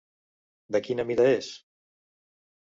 De quina mida és?